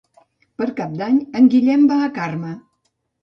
Per Cap d'Any en Guillem va a Carme.